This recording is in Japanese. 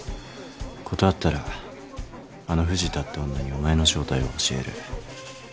断ったらあの藤田って女にお前の正体を教える。